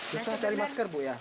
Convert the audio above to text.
susah cari masker bu ya